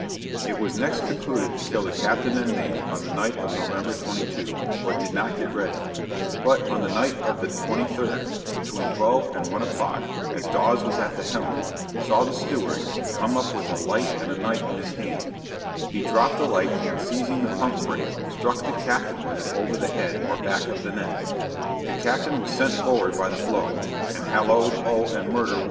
They next concluded to kill the captain and mate on the night of November 22, but did not get ready; but, on the night of the 23d, between twelve and one o'clock, as Dawes was at the helm, saw the steward come up with a light and a knife in his hand; he dropt the light and seizing the pump break, struck the captain with it over the head or back of the neck; the captain was sent forward by the blow, and halloed, oh! and murder!